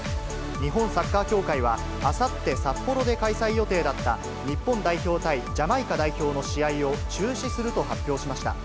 日本サッカー協会は、あさって、札幌で開催予定だった日本代表対ジャマイカ代表の試合を中止すると発表しました。